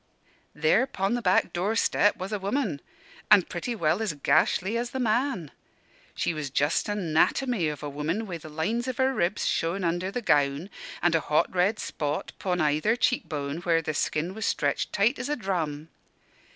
"There 'pon the back door step was a woman! an' pretty well as gashly as the man. She was just a 'natomy of a woman, wi' the lines of her ribs showin' under the gown, an' a hot red spot 'pon either cheek bone, where the skin was stretched tight as a drum.